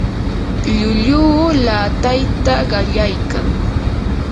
llulluu laatayta qallaykan.